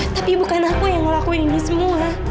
tapi bukan aku yang ngelakuin ini semua